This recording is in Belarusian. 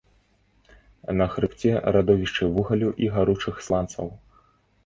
На хрыбце радовішчы вугалю і гаручых сланцаў.